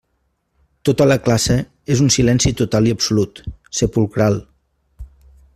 Tota la classe és un silenci total i absolut, sepulcral.